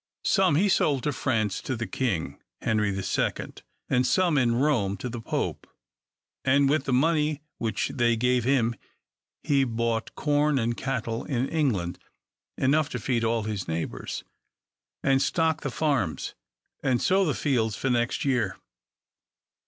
Some he sold in France, to the king, Henry II., and some in Rome, to the Pope; and with the money which they gave him he bought corn and cattle in England, enough to feed all his neighbours, and stock the farms, and sow the fields for next year.